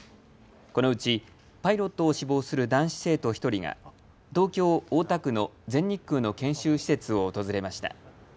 このうちパイロットを志望する男子生徒１人が東京大田区の全日空の研修施設を訪れました。